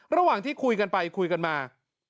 ระหว่างที่คุยกันไปคุยกันมา